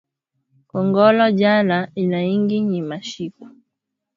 Kongolo njala inaingi iyi mashiku